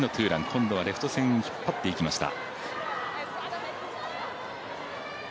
今度はレフト線引っ張っていきました。